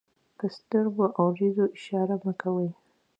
په سترګو او وريځو اشارې مه کوئ!